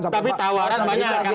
tapi tawaran banyak